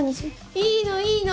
いいのいいの。